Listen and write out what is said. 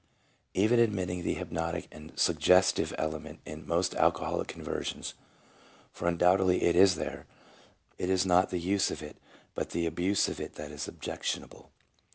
Even admitting the hypnotic and suggestive element in most alcoholic conversions, for undoubtedly it is there, it is not the use of it but the abuse of it that is objectionable.